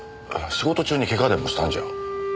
仕事中にケガでもしたんじゃ。